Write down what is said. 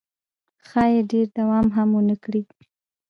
ښایي ډېر دوام هم ونه کړي.